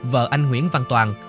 vợ anh nguyễn văn toàn